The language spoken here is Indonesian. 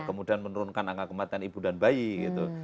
kemudian menurunkan angka kematian ibu dan bayi gitu